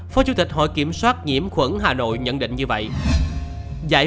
phó chủ tịch hội kiểm soát nhiễm khuẩn hà nội nhận định như vậy